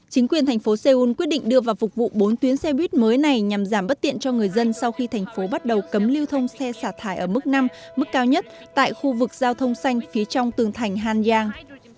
chính quyền thành phố seoul quyết định đưa vào phục vụ bốn tuyến xe buýt mới này nhằm giảm bất tiện cho người dân sau khi thành phố bắt đầu cấm lưu thông xe xả thải ở mức năm mức cao nhất tại khu vực giao thông xanh phía trong tường thành hàn giang